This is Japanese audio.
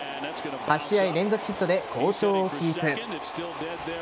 ８試合連続ヒットで好調をキープ。